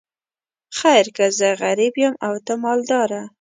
خیر که زه غریب یم او ته مالداره.